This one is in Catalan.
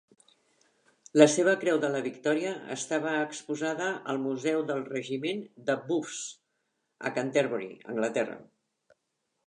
La seva Creu de la Victòria estava exposada al Museu del Regiment de Buffs, a Canterbury, Anglaterra.